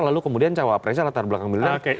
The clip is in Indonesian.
lalu kemudian cawapresnya latar belakang militer